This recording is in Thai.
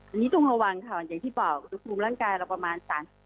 อันนี้ต้องระวังค่ะอย่างที่บอกอุณหภูมิร่างกายเราประมาณ๓๐